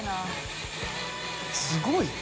すごい！